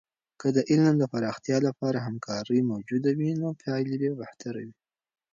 که د علم د پراختیا لپاره همکارۍ موجودې وي، نو پایلې به بهتره وي.